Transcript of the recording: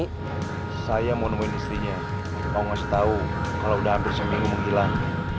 kali saya mau menemuin istrinya mau ngasih tahu kalau udah bersenang senang